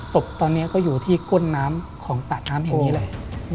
ศพตอนนี้ก็อยู่ที่ก้นน้ำของสระน้ำแห่งนี้แหละ